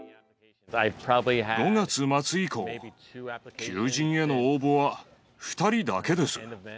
５月末以降、求人への応募は２人だけです。